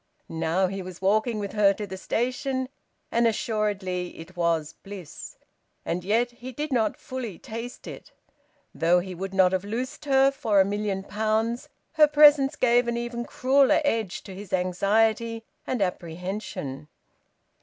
Now he was walking with her to the station; and assuredly it was bliss, and yet he did not fully taste it. Though he would not have loosed her for a million pounds, her presence gave an even crueller edge to his anxiety and apprehension.